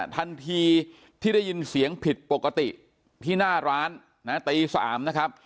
ทันทีที่ได้ยินเสียงผิดปกติที่หน้าร้านนะตี๓นะครับ